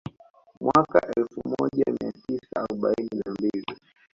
Mwaka elfu moja mia tisa arobaini na mbili